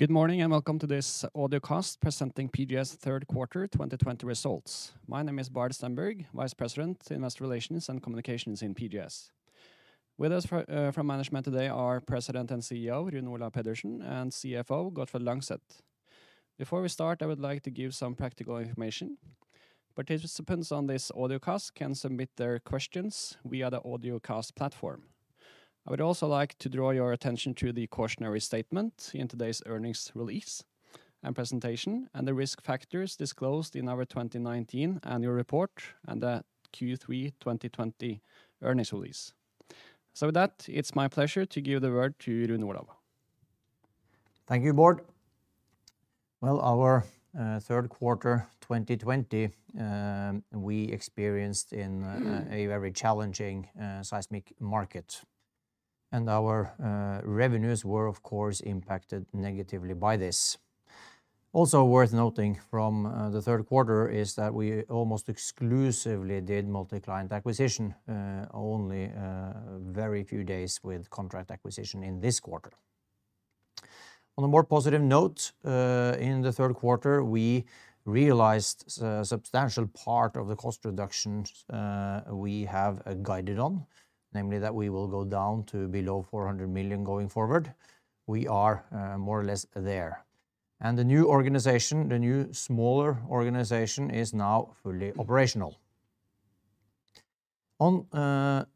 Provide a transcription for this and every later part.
Good morning. Welcome to this audio cast presenting PGS's third quarter 2020 results. My name is Bård Stenberg, Vice President, Investor Relations and Communications in PGS. With us from management today are President and CEO, Rune Olav Pedersen, and CFO, Gottfred Langseth. Before we start, I would like to give some practical information. Participants on this audio cast can submit their questions via the audio cast platform. I would also like to draw your attention to the cautionary statement in today's earnings release and presentation, and the risk factors disclosed in our 2019 annual report and the Q3 2020 earnings release. With that, it's my pleasure to give the word to Rune Olav. Well, our third quarter 2020, we experienced in a very challenging seismic market. Our revenues were, of course, impacted negatively by this. Also worth noting from the third quarter is that we almost exclusively did multi-client acquisition, only very few days with contract acquisition in this quarter. On a more positive note, in the third quarter, we realized a substantial part of the cost reductions we have guided on. Namely, that we will go down to below $400 million going forward. We are more or less there. The new organization, the new smaller organization, is now fully operational. On the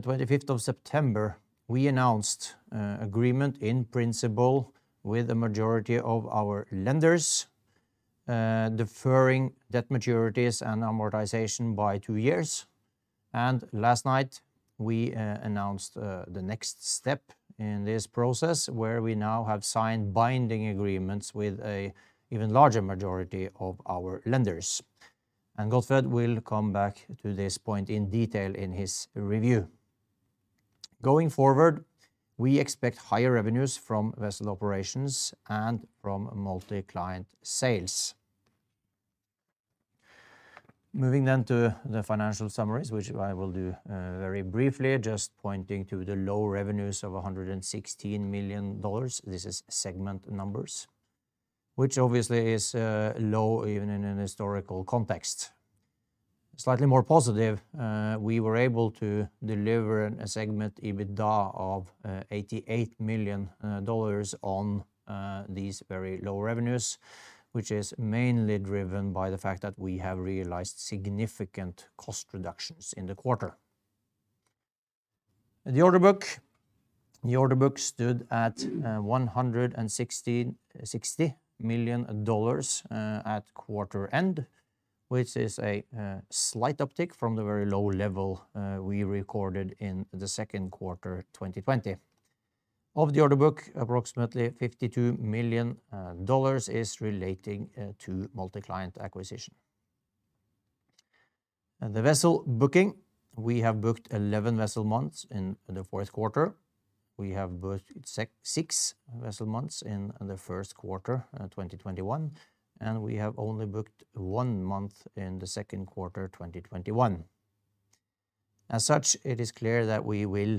25th of September, we announced agreement in principle with the majority of our lenders, deferring debt maturities and amortization by two years. Last night, we announced the next step in this process, where we now have signed binding agreements with an even larger majority of our lenders. Gottfred will come back to this point in detail in his review. Going forward, we expect higher revenues from vessel operations and from multi-client sales. To the financial summaries, which I will do very briefly, just pointing to the low revenues of $116 million. This is segment numbers. Which obviously is low even in an historical context. Slightly more positive, we were able to deliver a segment EBITDA of $88 million on these very low revenues, which is mainly driven by the fact that we have realized significant cost reductions in the quarter. The order book stood at $160 million at quarter end, which is a slight uptick from the very low level we recorded in the second quarter 2020. Of the order book, approximately $52 million is relating to multi-client acquisition. The vessel booking, we have booked 11 vessel months in the fourth quarter. We have booked six vessel months in the first quarter of 2021, and we have only booked one month in the second quarter 2021. As such, it is clear that we will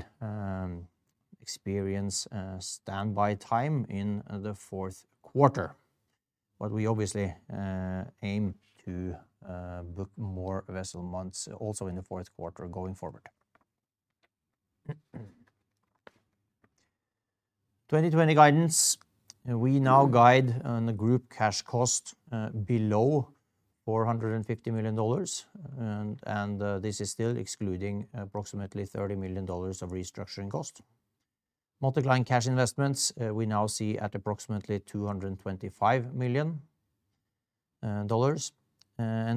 experience standby time in the fourth quarter. We obviously aim to book more vessel months also in the fourth quarter going forward. 2020 guidance. We now guide on the group cash cost below $450 million, and this is still excluding approximately $30 million of restructuring cost. Multi-client cash investments we now see at approximately $225 million.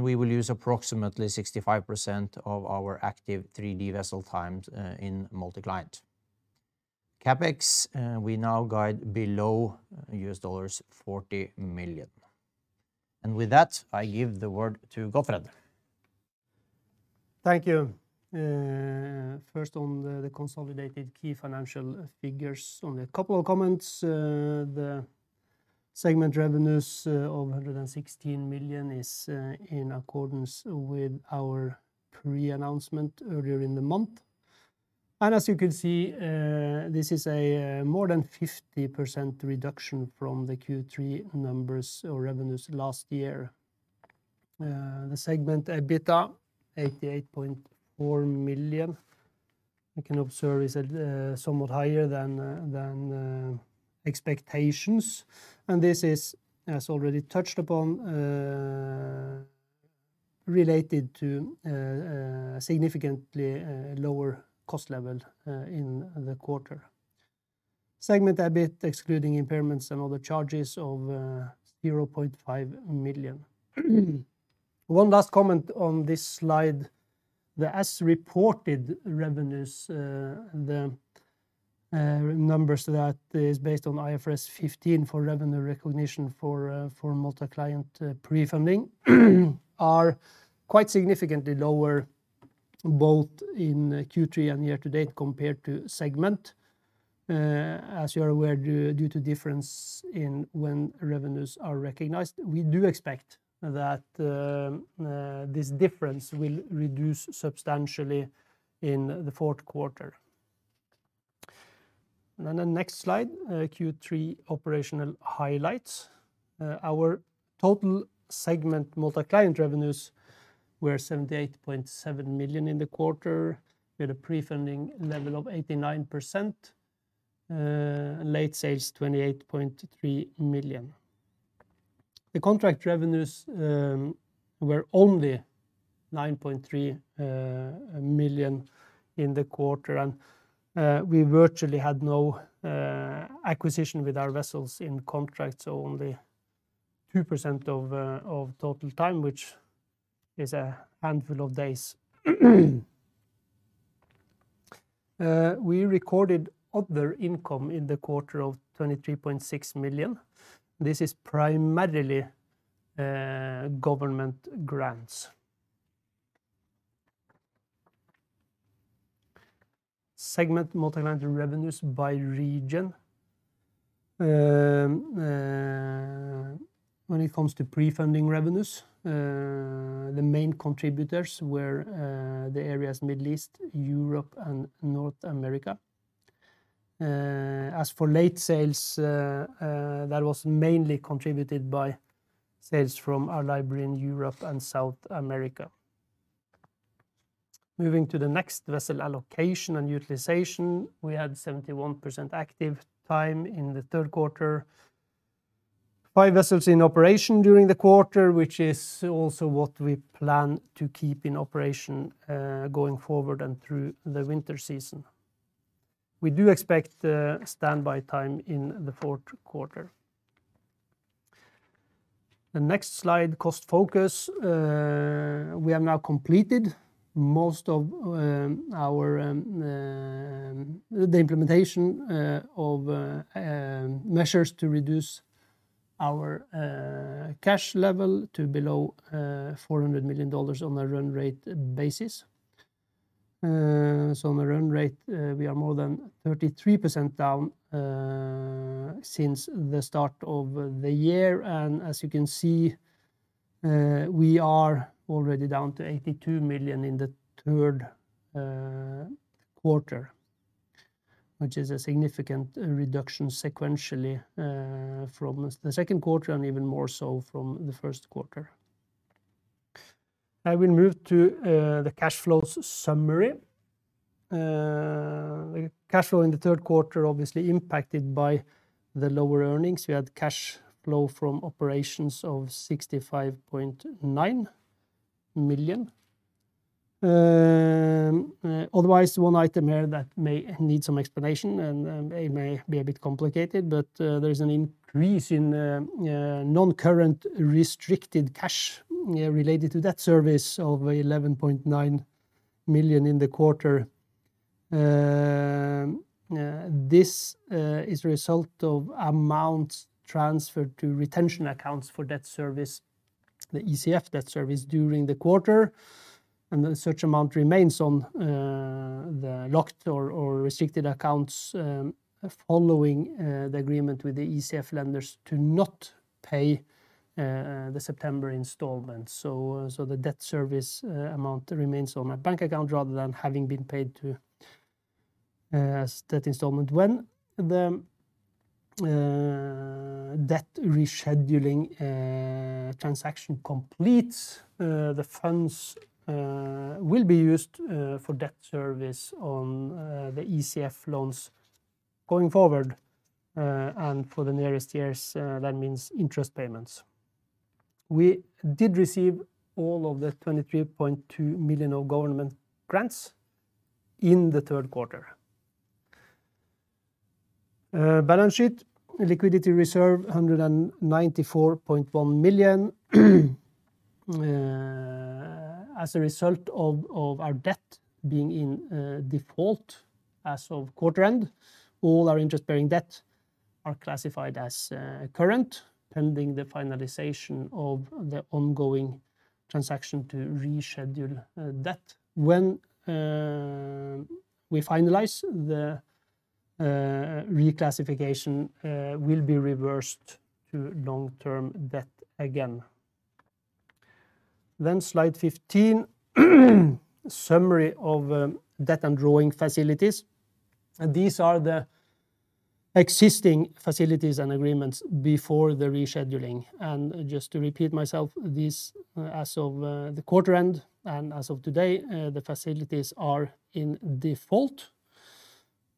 We will use approximately 65% of our active 3D vessel times in multi-client. CapEx, we now guide below $40 million. With that, I give the word to Gottfred. Thank you. First on the consolidated key financial figures. Only a couple of comments. The segment revenues of $116 million is in accordance with our pre-announcement earlier in the month. As you can see, this is a more than 50% reduction from the Q3 numbers or revenues last year. The segment EBITDA, $88.4 million, you can observe, is at somewhat higher than expectations. This is, as already touched upon, related to a significantly lower cost level in the quarter. Segment EBIT, excluding impairments and other charges of $0.5 million. One last comment on this slide. The as-reported revenues, the numbers that is based on IFRS 15 for revenue recognition for multi-client pre-funding, are quite significantly lower both in Q3 and year to date compared to segment. As you are aware, due to difference in when revenues are recognized. We do expect that this difference will reduce substantially in the fourth quarter. Next slide, Q3 operational highlights. Our total segment multi-client revenues were $78.7 million in the quarter, with a pre-funding level of 89%, late sales $28.3 million. The contract revenues were only $9.3 million in the quarter, and we virtually had no acquisition with our vessels in contracts, only 2% of total time, which is a handful of days. We recorded other income in the quarter of $23.6 million. This is primarily government grants. Segment multi-client revenues by region. When it comes to pre-funding revenues, the main contributors were the areas Middle East, Europe, and North America. As for late sales, that was mainly contributed by sales from our library in Europe and South America. Vessel allocation and utilization. We had 71% active time in the third quarter. Five vessels in operation during the quarter, which is also what we plan to keep in operation, going forward and through the winter season. We do expect standby time in the fourth quarter. The next slide, cost focus. We have now completed most of the implementation of measures to reduce our cash level to below $400 million on a run-rate basis. On a run rate, we are more than 33% down since the start of the year. As you can see, we are already down to $82 million in the third quarter, which is a significant reduction sequentially, from the second quarter and even more so from the first quarter. I will move to the cash flows summary. Cash flow in the third quarter obviously impacted by the lower earnings. We had cash flow from operations of $65.9 million. Otherwise, one item here that may need some explanation, and it may be a bit complicated, but there is an increase in non-current restricted cash related to that service of $11.9 million in the quarter. This is a result of amounts transferred to retention accounts for debt service, the ECF debt service during the quarter, and such amount remains on the locked or restricted accounts, following the agreement with the ECF lenders to not pay the September installment. The debt service amount remains on a bank account rather than having been paid to as debt installment. When the debt rescheduling transaction completes, the funds will be used for debt service on the ECF loans going forward. For the nearest years, that means interest payments. We did receive all of the $23.2 million of government grants in the third quarter. Balance sheet liquidity reserve $194.1 million. As a result of our debt being in default as of quarter end, all our interest-bearing debt are classified as current, pending the finalization of the ongoing transaction to reschedule debt. When we finalize, the reclassification will be reversed to long-term debt again. Slide 15, summary of debt and drawing facilities. These are the existing facilities and agreements before the rescheduling. Just to repeat myself, as of the quarter end and as of today, the facilities are in default.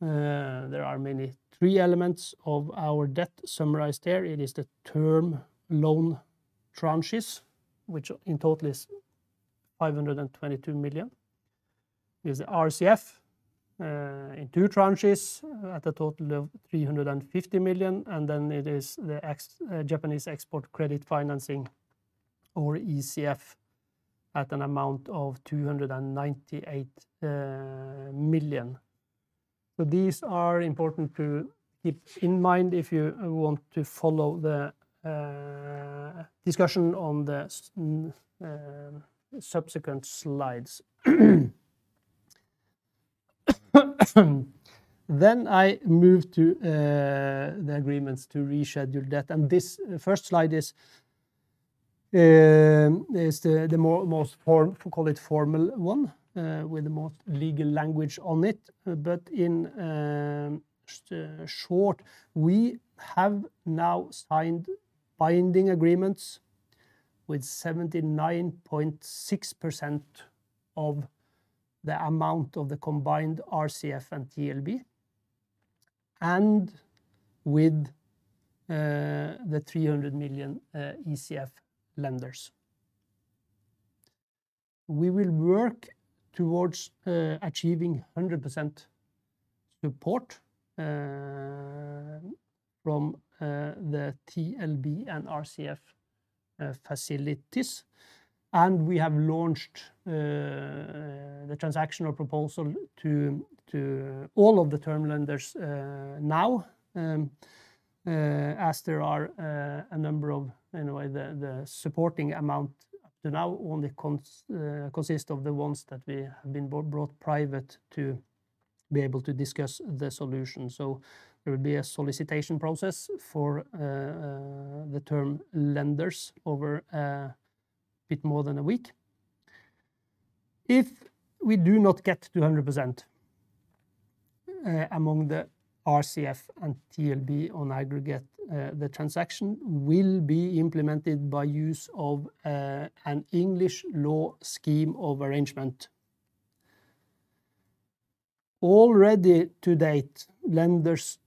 There are mainly three elements of our debt summarized there. It is the term loan tranches, which in total is $522 million. It is the RCF, in two tranches at a total of $350 million, and then it is the Japanese export credit financing, or ECF, at an amount of $298 million. These are important to keep in mind if you want to follow the discussion on the subsequent slides. I move to the agreements to reschedule debt, and this first slide is. It's the most formal one with the most legal language on it. In short, we have now signed binding agreements with 79.6% of the amount of the combined RCF and TLB, and with the 300 million ECF lenders. We will work towards achieving 100% support from the TLB and RCF facilities. We have launched the transactional proposal to all of the term lenders now, as there are a number of the supporting amount up to now only consist of the ones that we have been brought private to be able to discuss the solution. There will be a solicitation process for the term lenders over a bit more than a week. If we do not get to 100% among the RCF and TLB on aggregate, the transaction will be implemented by use of an English law scheme of arrangement. Already to date, lenders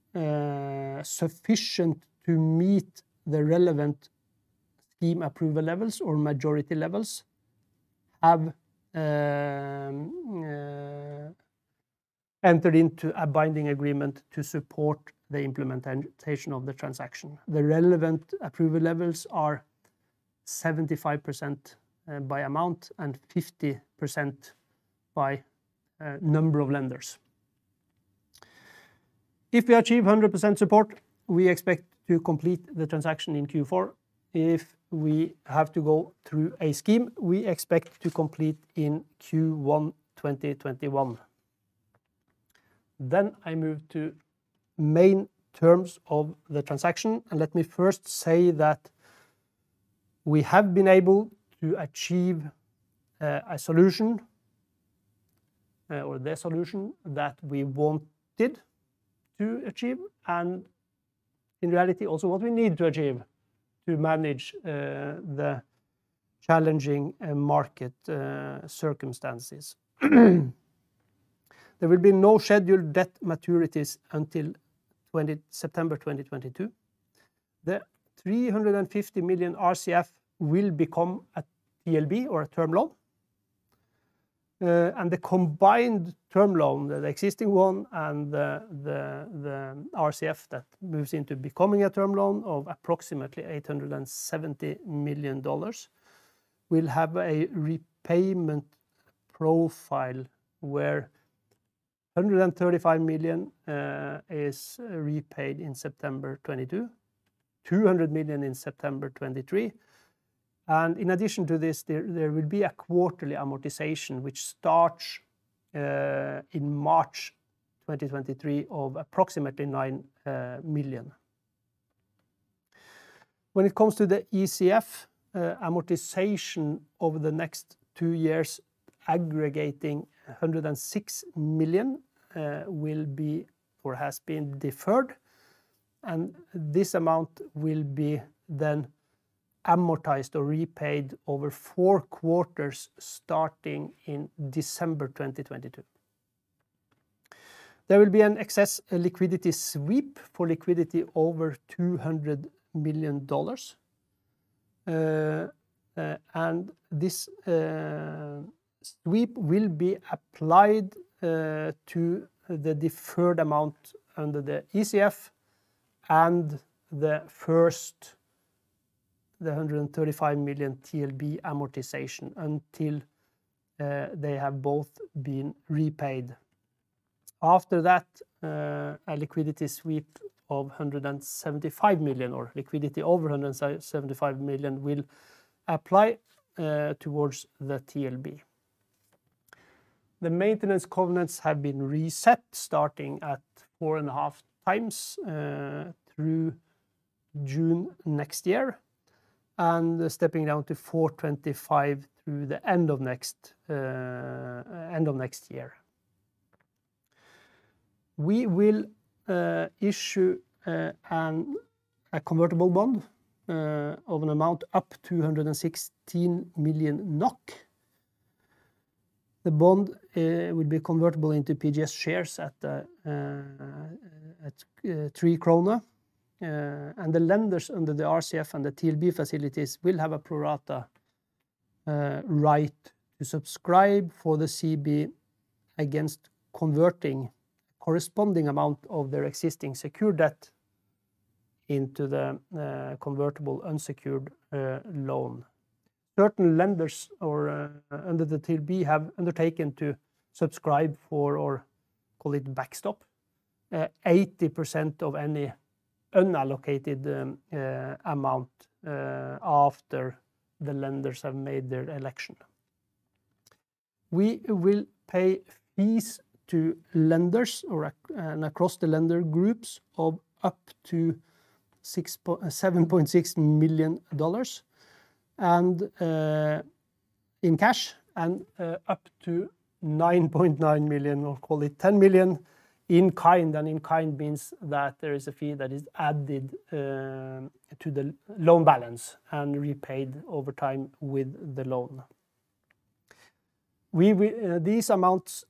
sufficient to meet the relevant scheme approval levels or majority levels have entered into a binding agreement to support the implementation of the transaction. The relevant approval levels are 75% by amount and 50% by number of lenders. If we achieve 100% support, we expect to complete the transaction in Q4. If we have to go through a scheme, we expect to complete in Q1 2021. I move to main terms of the transaction, and let me first say that we have been able to achieve the solution that we wanted to achieve, and in reality, also what we need to achieve to manage the challenging market circumstances. There will be no scheduled debt maturities until September 2022. The $350 million RCF will become a TLB or a term loan. The combined term loan, the existing one and the RCF that moves into becoming a term loan of approximately $870 million, will have a repayment profile where $135 million is repaid in September 2022, $200 million in September 2023. In addition to this, there will be a quarterly amortization, which starts in March 2023, of approximately $9 million. When it comes to the ECF amortization over the next two years, aggregating $106 million will be, or has been deferred, and this amount will be then amortized or repaid over four quarters starting in December 2022. There will be an excess liquidity sweep for liquidity over $200 million. This sweep will be applied to the deferred amount under the ECF and the first $135 million TLB amortization until they have both been repaid. After that, a liquidity sweep of $175 million or liquidity over $175 million will apply towards the TLB. The maintenance covenants have been reset, starting at 4.5 times through June next year, and stepping down to 4.25 through the end of next year. We will issue a convertible bond of an amount up to 116 million NOK. The bond will be convertible into PGS shares at 3 kroner. The lenders under the RCF and the TLB facilities will have a pro rata right to subscribe for the CB against converting corresponding amount of their existing secure debt into the convertible unsecured loan. Certain lenders under the TLB have undertaken to subscribe for, or call it backstop, 80% of any unallocated amount after the lenders have made their election. We will pay fees to lenders and across the lender groups of up to $7.6 million in cash and up to $9.9 million, or call it $10 million, in kind. In kind means that there is a fee that is added to the loan balance and repaid over time with the loan. These amounts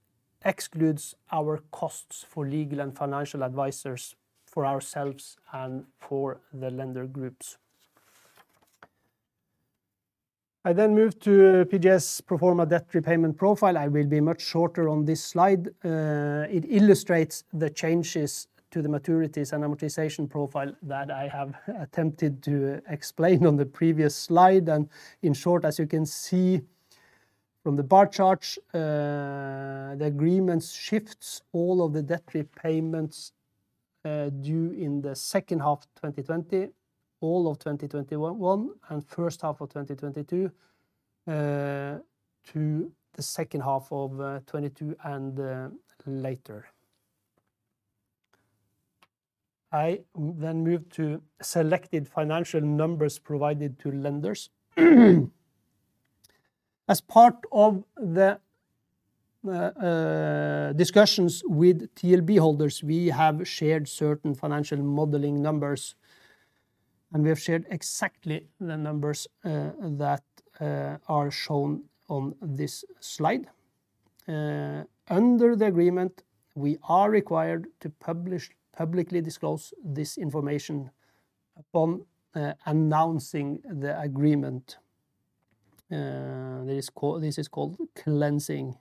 excludes our costs for legal and financial advisors for ourselves and for the lender groups. I move to PGS pro forma debt repayment profile. I will be much shorter on this slide. It illustrates the changes to the maturities and amortization profile that I have attempted to explain on the previous slide. In short, as you can see from the bar chart, the agreement shifts all of the debt repayments due in the second half 2020, all of 2021, and first half of 2022 to the second half of 2022 and later. I move to selected financial numbers provided to lenders. As part of the discussions with TLB holders, we have shared certain financial modeling numbers, and we have shared exactly the numbers that are shown on this slide. Under the agreement, we are required to publicly disclose this information upon announcing the agreement. This is called cleansing.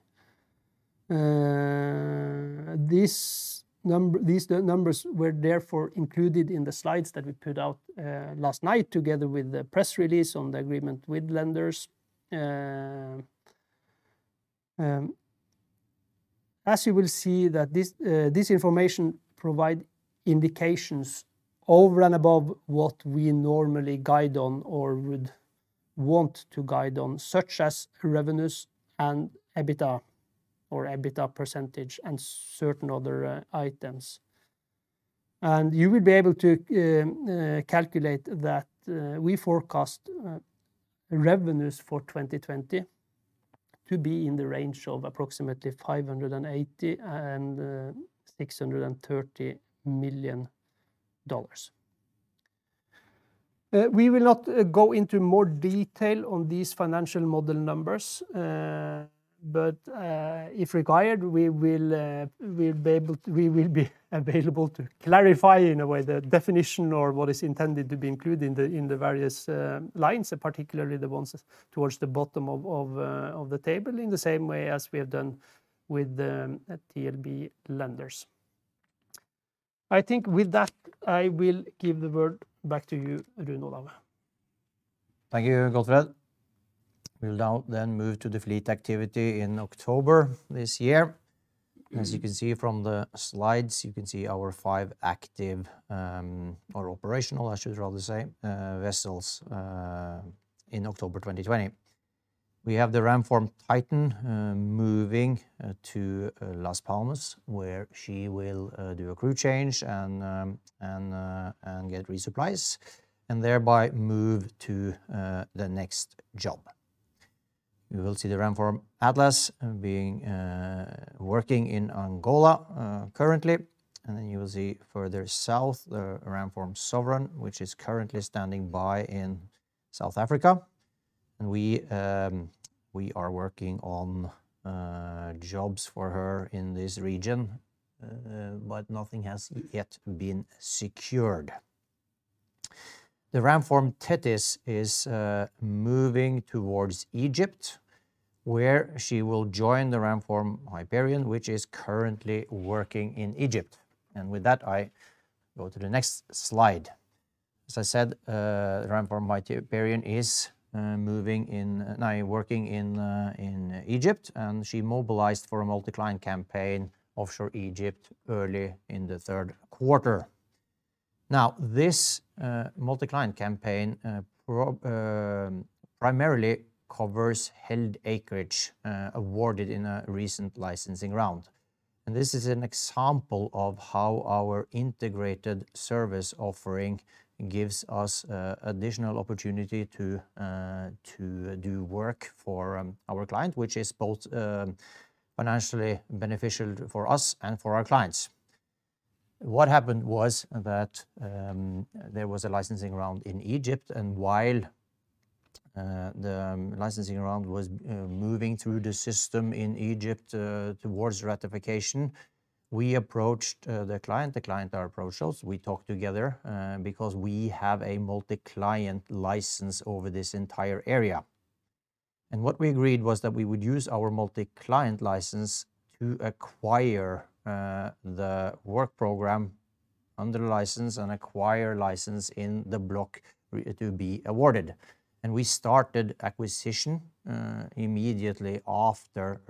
These numbers were therefore included in the slides that we put out last night, together with the press release on the agreement with lenders. As you will see that, this information provide indications over and above what we normally guide on or would want to guide on, such as revenues and EBITDA or EBITDA percentage and certain other items. You will be able to calculate that we forecast revenues for 2020 to be in the range of approximately $580 and $630 million. We will not go into more detail on these financial model numbers. If required, we will be available to clarify in a way the definition or what is intended to be included in the various lines, and particularly the ones towards the bottom of the table, in the same way as we have done with the TLB lenders. I think with that, I will give the word back to you, Rune Olav. Thank you, Gottfred. We will now move to the fleet activity in October this year. As you can see from the slides, you can see our five active or operational, I should rather say, vessels in October 2020. We have the Ramform Titan moving to Las Palmas, where she will do a crew change and get resupplies, and thereby move to the next job. You will see the Ramform Atlas working in Angola currently, then you will see further south the Ramform Sovereign, which is currently standing by in South Africa. We are working on jobs for her in this region, but nothing has yet been secured. The Ramform Tethys is moving towards Egypt, where she will join the Ramform Hyperion, which is currently working in Egypt. With that, I go to the next slide. As I said, Ramform Hyperion is now working in Egypt, and she mobilized for a multi-client campaign offshore Egypt early in the third quarter. This multi-client campaign primarily covers held acreage awarded in a recent licensing round. This is an example of how our integrated service offering gives us additional opportunity to do work for our client, which is both financially beneficial for us and for our clients. What happened was that there was a licensing round in Egypt, and while the licensing round was moving through the system in Egypt towards ratification, we approached the client, the client approached us. We talked together because we have a multi-client license over this entire area. What we agreed was that we would use our multi-client license to acquire the work program under license and acquire license in the block to be awarded. We started acquisition immediately after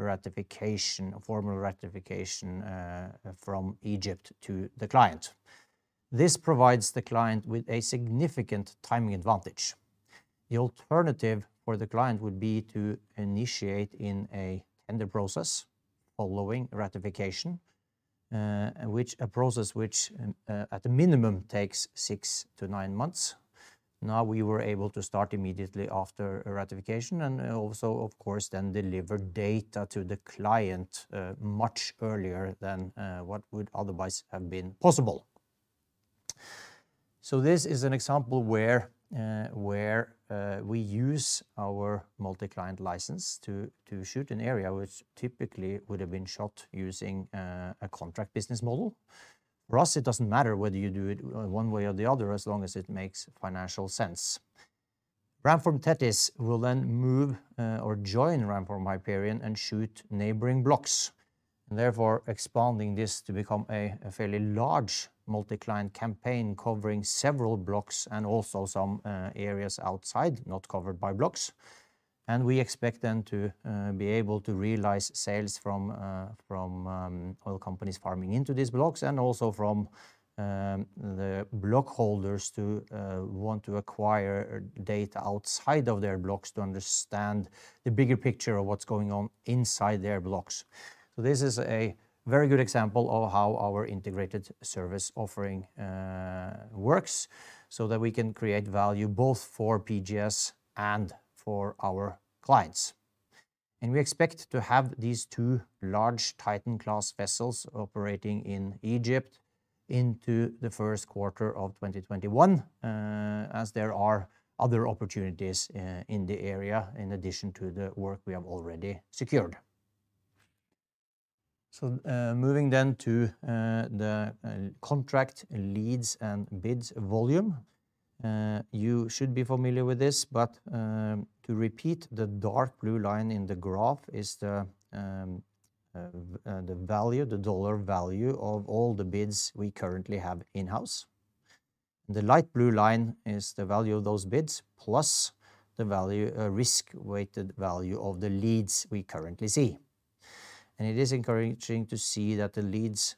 formal ratification from Egypt to the client. This provides the client with a significant timing advantage. The alternative for the client would be to initiate in a tender process following ratification, a process which at minimum takes 6-9 months. We were able to start immediately after ratification and also, of course, then deliver data to the client much earlier than what would otherwise have been possible. This is an example where we use our multi-client license to shoot an area which typically would have been shot using a contract business model. For us, it doesn't matter whether you do it one way or the other as long as it makes financial sense. Ramform Tethys will then move or join Ramform Hyperion and shoot neighboring blocks, therefore expanding this to become a fairly large multi-client campaign covering several blocks and also some areas outside not covered by blocks. We expect them to be able to realize sales from oil companies farming into these blocks and also from the block holders who want to acquire data outside of their blocks to understand the bigger picture of what's going on inside their blocks. This is a very good example of how our integrated service offering works so that we can create value both for PGS and for our clients. We expect to have these two large Titan-class vessels operating in Egypt into the first quarter of 2021, as there are other opportunities in the area in addition to the work we have already secured. Moving then to the contract leads and bids volume. You should be familiar with this, but to repeat, the dark blue line in the graph is the dollar value of all the bids we currently have in-house. The light blue line is the value of those bids plus the risk-weighted value of the leads we currently see. It is encouraging to see that the leads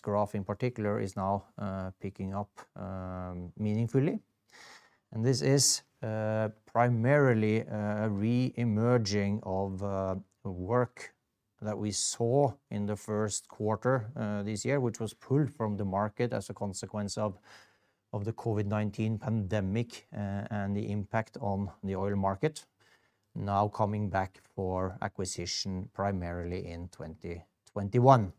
graph in particular, is now picking up meaningfully. This is primarily a re-emerging of work that we saw in the first quarter this year, which was pulled from the market as a consequence of the COVID-19 pandemic and the impact on the oil market, now coming back for acquisition primarily in 2021.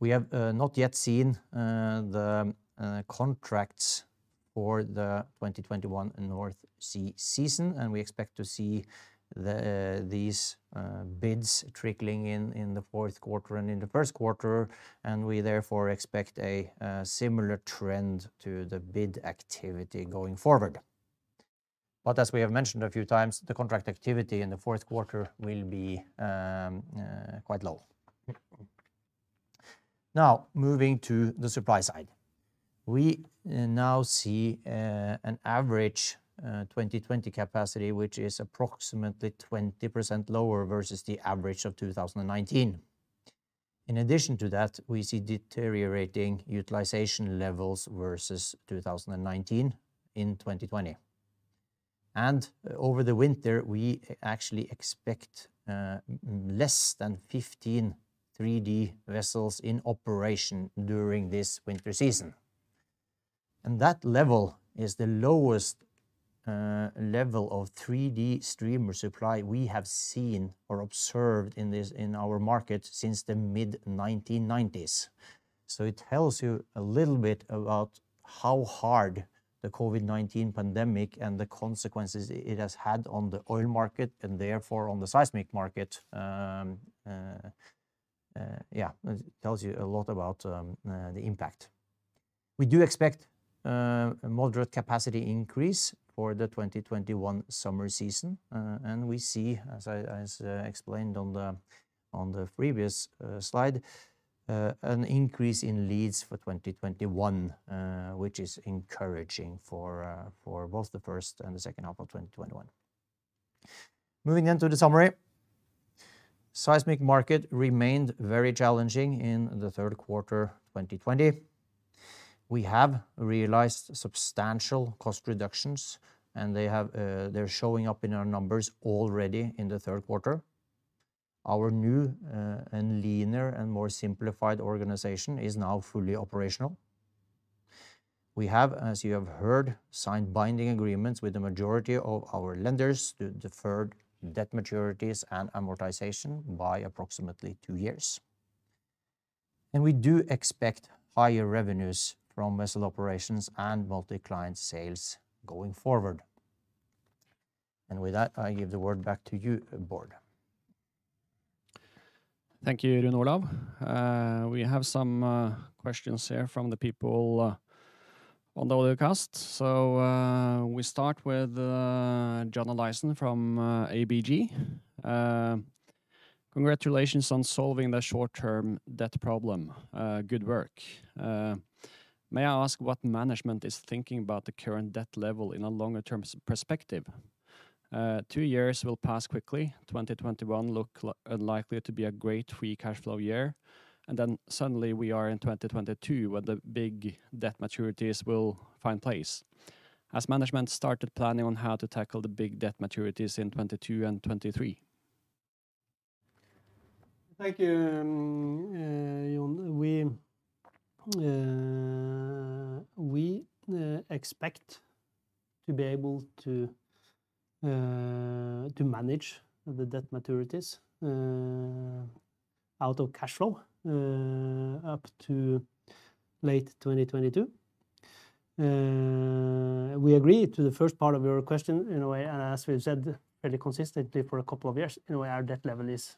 We have not yet seen the contracts for the 2021 North Sea season, and we expect to see these bids trickling in the fourth quarter and in the first quarter, and we therefore expect a similar trend to the bid activity going forward. As we have mentioned a few times, the contract activity in the fourth quarter will be quite low. Now, moving to the supply side. We now see an average 2020 capacity, which is approximately 20% lower versus the average of 2019. In addition to that, we see deteriorating utilization levels versus 2019 in 2020. Over the winter, we actually expect less than 15 3D vessels in operation during this winter season. That level is the lowest level of 3D streamer supply we have seen or observed in our market since the mid-1990s. It tells you a little bit about how hard the COVID-19 pandemic and the consequences it has had on the oil market and, therefore, on the seismic market. It tells you a lot about the impact. We do expect a moderate capacity increase for the 2021 summer season. We see, as I explained on the previous slide, an increase in leads for 2021, which is encouraging for both the first and the second half of 2021. Moving into the summary. Seismic market remained very challenging in the third quarter 2020. We have realized substantial cost reductions, and they're showing up in our numbers already in the third quarter. Our new, and leaner, and more simplified organization is now fully operational. We have, as you have heard, signed binding agreements with the majority of our lenders to deferred debt maturities and amortization by approximately two years. We do expect higher revenues from vessel operations and multi-client sales going forward. With that, I give the word back to you, Bård. Thank you, Rune Olav. We have some questions here from the people on the webcast. We start with John Olaisen from ABG. Congratulations on solving the short-term debt problem. Good work. May I ask what management is thinking about the current debt level in a longer-term perspective? Two years will pass quickly. 2021 looks unlikely to be a great free cash flow year, and then suddenly we are in 2022, when the big debt maturities will take place. Has management started planning on how to tackle the big debt maturities in 2022 and 2023? Thank you. We expect to be able to manage the debt maturities out of cash flow up to late 2022. We agree to the first part of your question, in a way, and as we've said fairly consistently for a couple of years, in a way our debt level is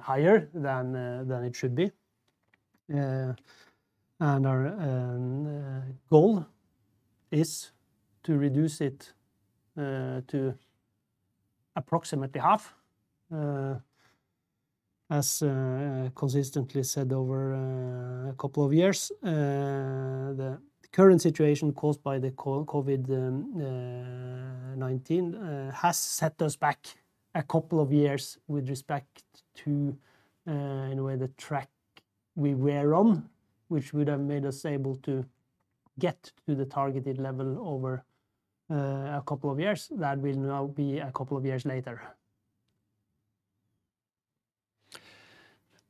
higher than it should be. Our goal is to reduce it to approximately half. As consistently said over a couple of years, the current situation caused by the COVID-19 has set us back a couple of years with respect to the track we were on, which would have made us able to get to the targeted level over a couple of years. That will now be a couple of years later.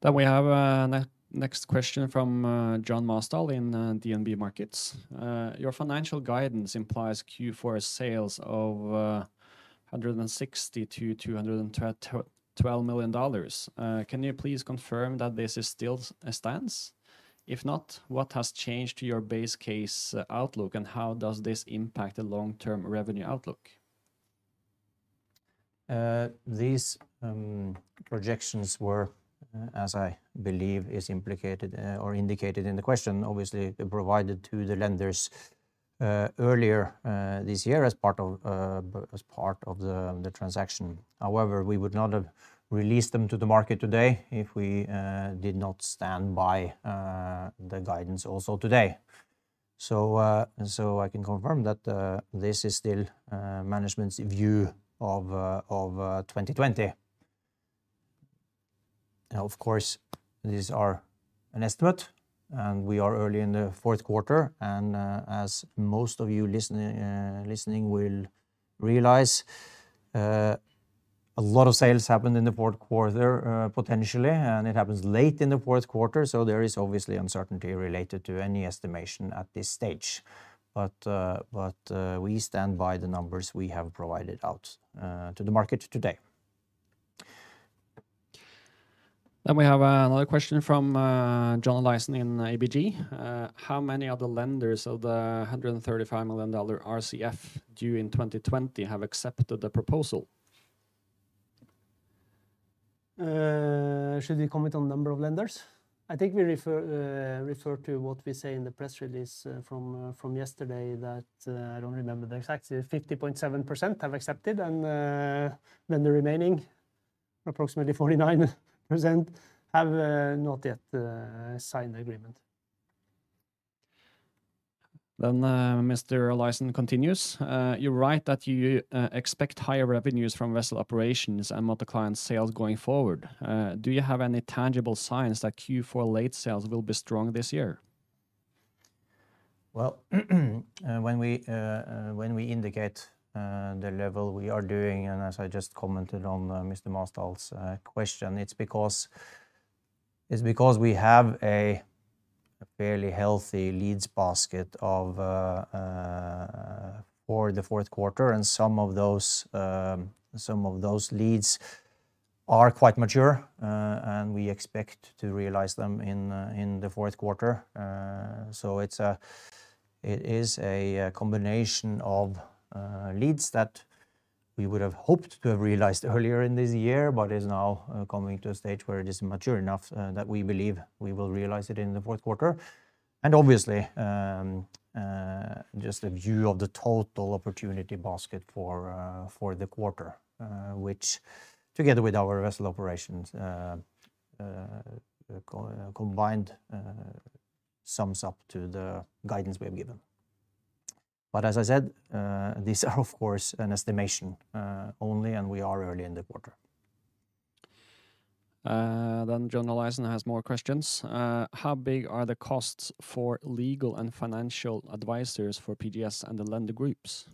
We have a next question from John Mostal in DNB Markets. Your financial guidance implies Q4 sales of $160 million-$212 million. Can you please confirm that this still stands? If not, what has changed to your base case outlook, and how does this impact the long-term revenue outlook? These projections were, as I believe is indicated in the question, obviously provided to the lenders earlier this year as part of the transaction. However, we would not have released them to the market today if we did not stand by the guidance also today. I can confirm that this is still management's view of 2020. Of course, these are an estimate, and we are early in the fourth quarter, and as most of you listening will realize, a lot of sales happen in the fourth quarter, potentially, and it happens late in the fourth quarter, so there is obviously uncertainty related to any estimation at this stage. We stand by the numbers we have provided out to the market today. We have another question from John Olaisen in ABG. How many of the lenders of the $135 million RCF due in 2020 have accepted the proposal? Should we comment on the number of lenders? I think we refer to what we say in the press release from yesterday that, I don't remember the exact, 50.7% have accepted, and then the remaining, approximately 49%, have not yet signed the agreement. Mr. Laissen continues: You write that you expect higher revenues from vessel operations and multi-client sales going forward. Do you have any tangible signs that Q4 late sales will be strong this year? When we indicate the level we are doing, and as I just commented on Mr. Mostal's question, it's because we have a fairly healthy lead basket for the fourth quarter, and some of those leads are quite mature, and we expect to realize them in the fourth quarter. It is a combination of leads that we would have hoped to have realized earlier in this year, but is now coming to a stage where it is mature enough that we believe we will realize it in the fourth quarter. Obviously, just a view of the total opportunity basket for the quarter, which, together with our vessel operations combined, sums up to the guidance we have given. As I said, these are, of course, an estimation only, and we are early in the quarter. John Olaisen has more questions. How big are the costs for legal and financial advisors for PGS and the lender groups?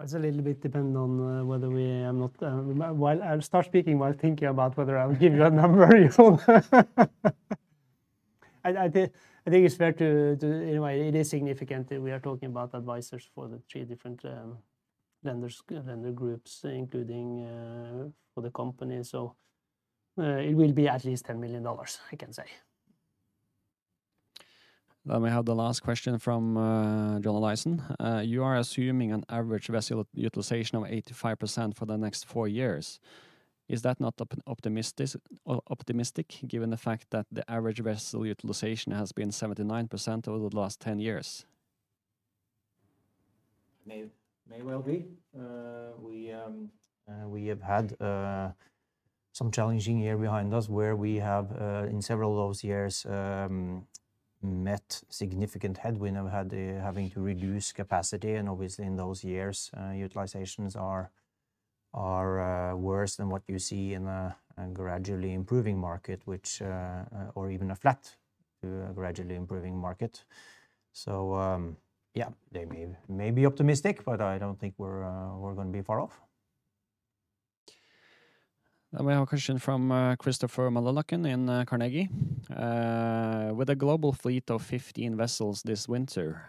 It's a little bit dependent on whether I'll start speaking while thinking about whether I will give you a number. I think it's fair. It is significant that we are talking about advisors for the three different lender groups, including for the company. It will be at least $10 million, I can say. We have the last question from John Olaisen. You are assuming an average vessel utilization of 85% for the next four years. Is that not optimistic given the fact that the average vessel utilization has been 79% over the last 10 years? May well be. We have had some challenging years behind us where we have, in several of those years, met significant headwind and had having to reduce capacity, and obviously, in those years, utilizations are worse than what you see in a gradually improving market, or even a flat to a gradually improving market. Yeah, they may be optimistic, but I don't think we're going to be far off. We have a question from Christopher Møllerløkken in Carnegie. "With a global fleet of 15 vessels this winter,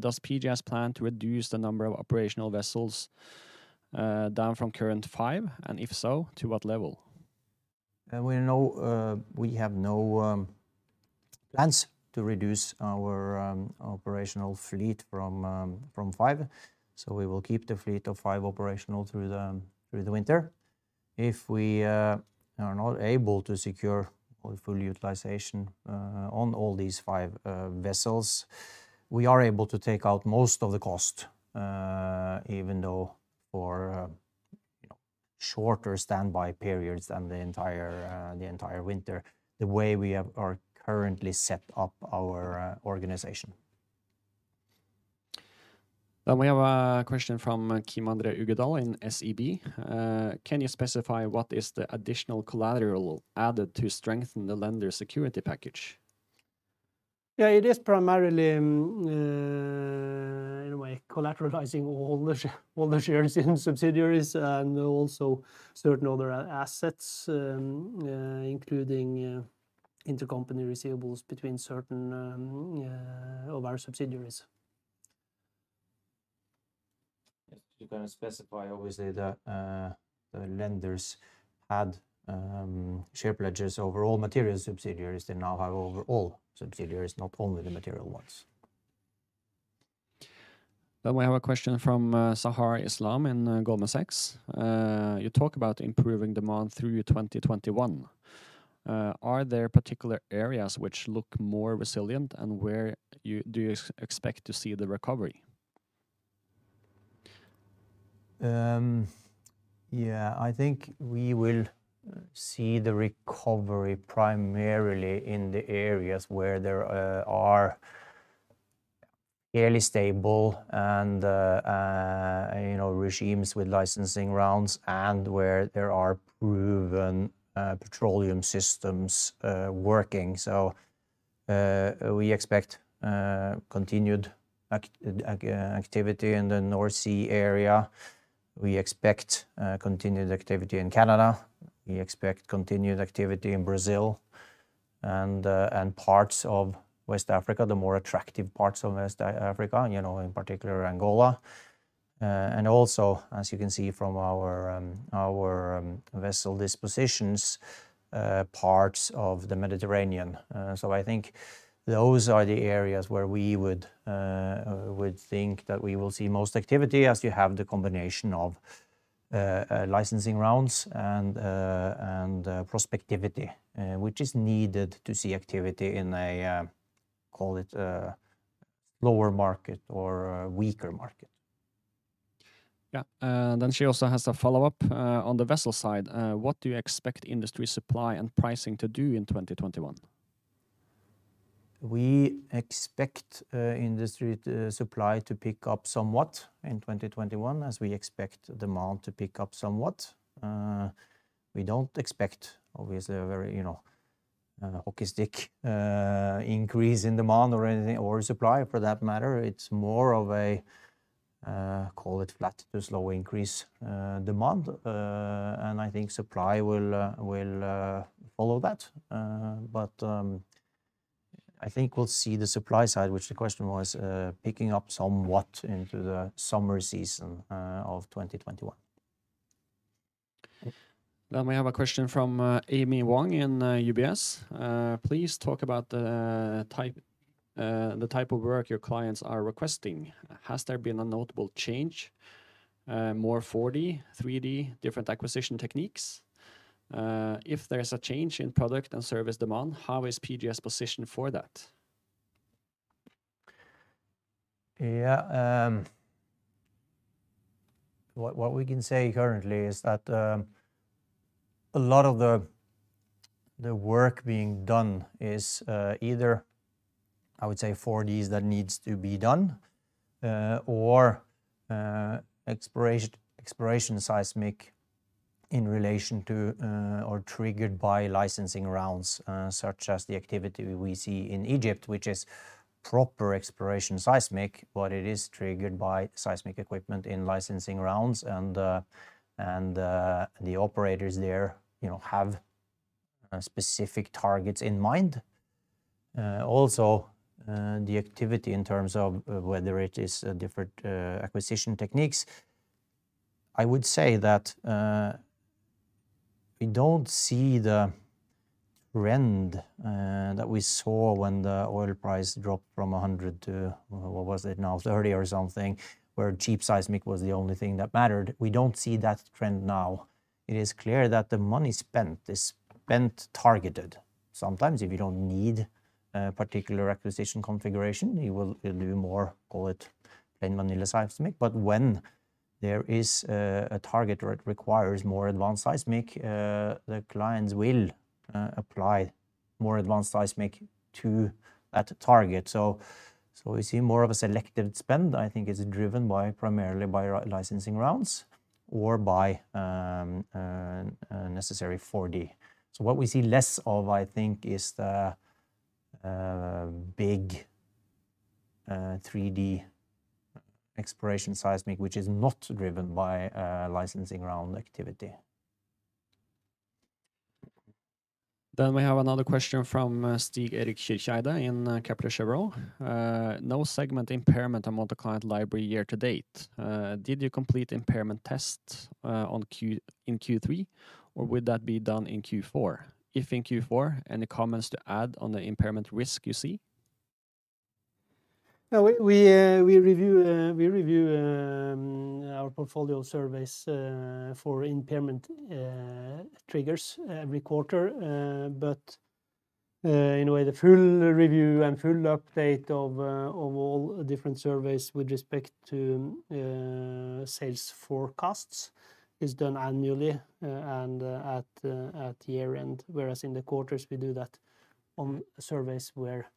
does PGS plan to reduce the number of operational vessels down from current five, and if so, to what level? We have no plans to reduce our operational fleet from five, so we will keep the fleet of five operational through the winter. If we are not able to secure full utilization on all these five vessels, we are able to take out most of the cost, even though for shorter standby periods than the entire winter, the way we have are currently set up our organization. We have a question from Kim André Uggedal in SEB. "Can you specify what is the additional collateral added to strengthen the lender's security package? Yeah, it is primarily, in a way, collateralizing all the shares in subsidiaries and also certain other assets, including intercompany receivables between certain of our subsidiaries. Yes, you can specify obviously, the lenders had share pledges over all material subsidiaries. They now have over all subsidiaries, not only the material ones. We have a question from Sahar Islam in Goldman Sachs. "You talk about improving demand through 2021. Are there particular areas which look more resilient, and where do you expect to see the recovery? Yeah, I think we will see the recovery primarily in the areas where there are fairly stable and regimes with licensing rounds and where there are proven petroleum systems working. We expect continued activity in the North Sea area. We expect continued activity in Canada. We expect continued activity in Brazil and parts of West Africa, the more attractive parts of West Africa in particular, Angola. Also, as you can see from our vessel dispositions, parts of the Mediterranean. I think those are the areas where we would think that we will see most activity, as you have the combination of licensing rounds and prospectivity, which is needed to see activity in a, call it a lower market or a weaker market. Yeah. She also has a follow-up on the vessel side. "What do you expect industry supply and pricing to do in 2021? We expect industry supply to pick up somewhat in 2021 as we expect demand to pick up somewhat. We don't expect, obviously, a very drastic increase in demand or anything, or supply for that matter. It's more of a, call it flat to slow increase demand. I think supply will follow that. I think we'll see the supply side, which the question was, picking up somewhat into the summer season of 2021. We have a question from Amy Wong in UBS. "Please talk about the type of work your clients are requesting. Has there been a notable change? More 4D, 3D, different acquisition techniques? If there is a change in product and service demand, how is PGS positioned for that? What we can say currently is that a lot of the work being done is either, I would say, 4Ds that needs to be done, or exploration seismic in relation to or triggered by licensing rounds, such as the activity we see in Egypt, which is proper exploration seismic, but it is triggered by seismic equipment in licensing rounds and the operators there have specific targets in mind. The activity in terms of whether it is different acquisition techniques, I would say that we don't see the trend that we saw when the oil price dropped from 100 to, what was it now, 30 or something, where cheap seismic was the only thing that mattered. We don't see that trend now. It is clear that the money spent is spent targeted. Sometimes, if you don't need a particular acquisition configuration, you will do more, call it plain vanilla seismic. When there is a target or it requires more advanced seismic, the clients will apply more advanced seismic at a target. We see more of a selective spend, I think is driven primarily by licensing rounds or by necessary 4D. What we see less of, I think, is the big 3D exploration seismic, which is not driven by licensing round activity. We have another question from Stig Erik Skirscheida in Kepler Cheuvreux. No segment impairment on multi-client library year to date. Did you complete impairment test in Q3, or would that be done in Q4? If in Q4, any comments to add on the impairment risk you see? We review our portfolio surveys for impairment triggers every quarter. In a way, the full review and full update of all different surveys with respect to sales forecasts is done annually and at year-end, whereas in the quarters, we do that on surveys where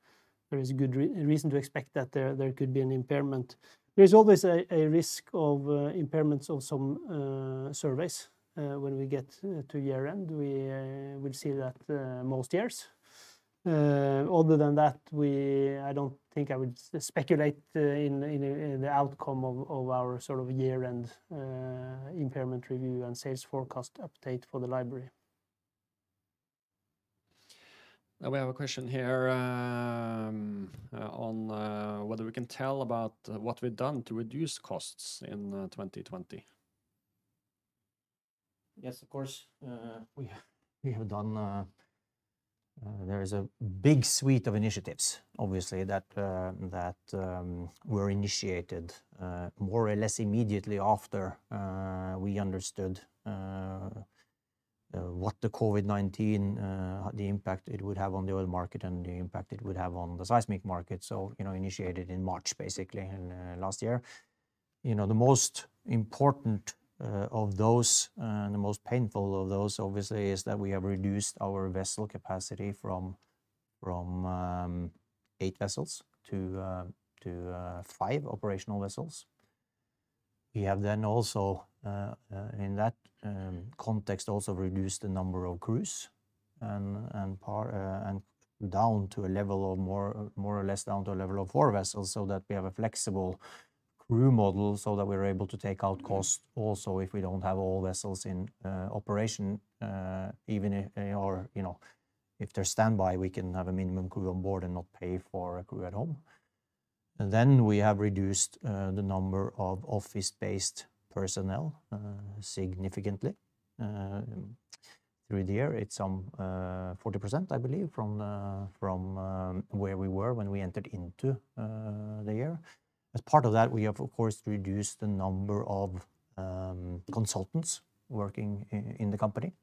there is good reason to expect that there could be an impairment. There is always a risk of impairments of some surveys when we get to year-end. We will see that most years. Other than that, I don't think I would speculate in the outcome of our year-end impairment review and sales forecast update for the library. We have a question here on what we can tell about what we've done to reduce costs in 2020. Yes, of course. There is a big suite of initiatives, obviously, that were initiated more or less immediately after we understood what the COVID-19, the impact it would have on the oil market and the impact it would have on the seismic market. Initiated in March, basically, last year. The most important of those and the most painful of those, obviously, is that we have reduced our vessel capacity from eight vessels to five operational vessels. We have also in that context also reduced the number of crews more or less down to a level of four vessels so that we have a flexible crew model, so that we're able to take out cost also if we don't have all vessels in operation. If they're standby, we can have a minimum crew on board and not pay for a crew at home. We have reduced the number of office-based personnel significantly throughout the year. It is some 40%, I believe, from where we were when we entered into the year. As part of that, we have, of course, reduced the number of consultants working in the company.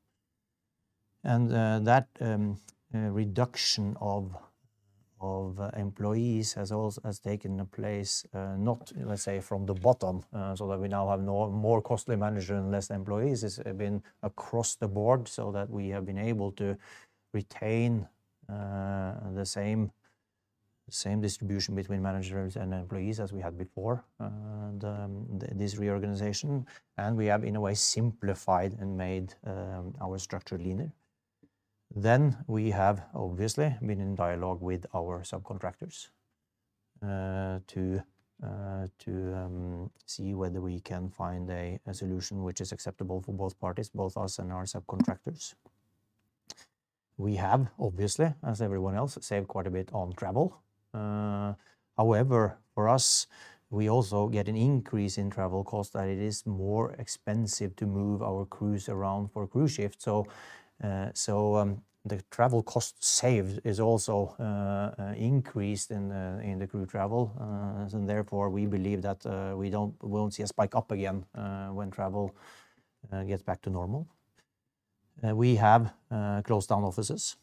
That reduction of employees has taken place not, let us say, from the bottom, so that we now have more costly manager and less employees. It has been across the board so that we have been able to retain the same distribution between managers and employees as we had before this reorganization. We have, in a way, simplified and made our structure leaner. We have obviously been in dialogue with our subcontractors to see whether we can find a solution which is acceptable for both parties, both us and our subcontractors. We have, obviously, as everyone else, saved quite a bit on travel. For us, we also get an increase in travel cost that it is more expensive to move our crews around for crew shift. The travel cost saved is also increased in the crew travel. Therefore, we believe that we won't see a spike up again when travel gets back to normal. We have closed down offices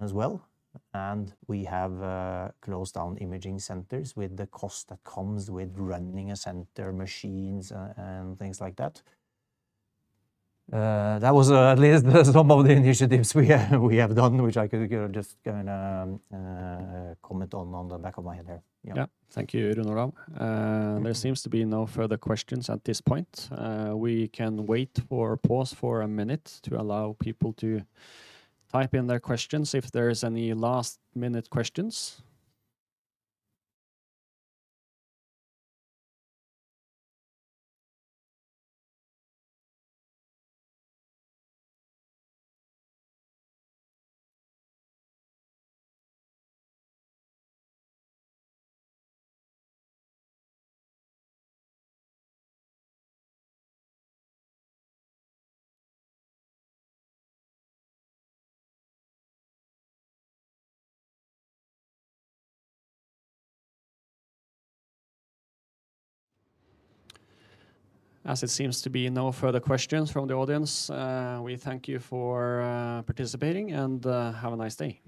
as well, and we have closed down imaging centers with the cost that comes with running a center, machines, and things like that. That was at least some of the initiatives we have done, which I could just comment on on the back of my head there. Yeah. Thank you, Rune Olav. There seems to be no further questions at this point. We can wait or pause for one minute to allow people to type in their questions if there is any last-minute questions. As it seems to be no further questions from the audience, we thank you for participating, and have a nice day.